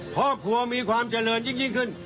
ครอบครัวมีความเจริญยิ่งขึ้น